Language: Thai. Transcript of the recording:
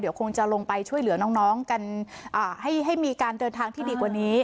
เดี๋ยวคงจะลงไปช่วยเหลือน้องกันให้มีการเดินทางที่ดีกว่านี้